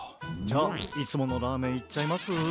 じゃあいつものラーメンいっちゃいます？